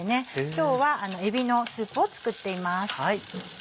今日はえびのスープを作っています。